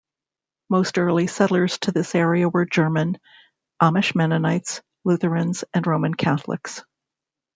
Most early settlers to this area were German: Amish Mennonites, Lutherans, and Roman Catholics.